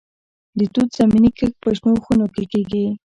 د توت زمینی کښت په شنو خونو کې کیږي.